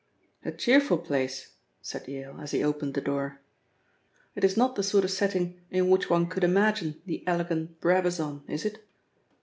"A cheerful place," said Yale, as he opened the door. "It is not the sort of setting in which one could imagine the elegant Brabazon, is it?"